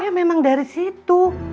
ya memang dari situ